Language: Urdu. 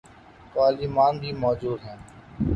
پارلیمان بھی موجود ہے۔